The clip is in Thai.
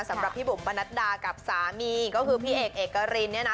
สำหรับพี่บุ๋มปนัดดากับสามีก็คือพี่เอกเอกรินเนี่ยนะ